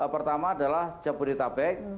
pertama adalah jabodetabek